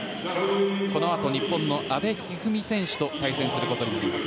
このあと日本の阿部一二三選手と対戦することになります。